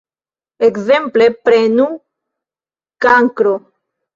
Ekzemple, prenu Kankro.